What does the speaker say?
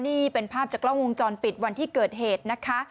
นี่เป็นภาพจากกล้องวงจรปิดวันที่เกิดเหตุนะคะ